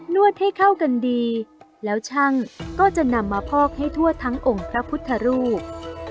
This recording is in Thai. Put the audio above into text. วดให้เข้ากันดีแล้วช่างก็จะนำมาพอกให้ทั่วทั้งองค์พระพุทธรูป